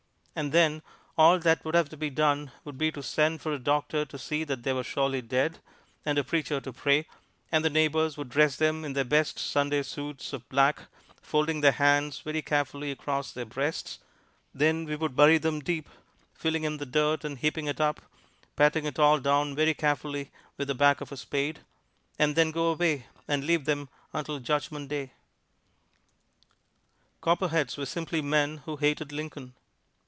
And then all that would have to be done would be to send for a doctor to see that they were surely dead, and a preacher to pray, and the neighbors would dress them in their best Sunday suits of black, folding their hands very carefully across their breasts, then we would bury them deep, filling in the dirt and heaping it up, patting it all down very carefully with the back of a spade, and then go away and leave them until Judgment Day. Copperheads were simply men who hated Lincoln.